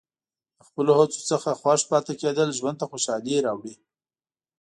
د خپلو هڅو څخه خوښ پاتې کېدل ژوند ته خوشحالي راوړي.